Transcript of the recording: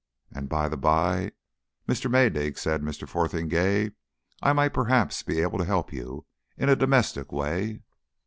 "And, by the bye, Mr. Maydig," said Mr. Fotheringay, "I might perhaps be able to help you in a domestic way."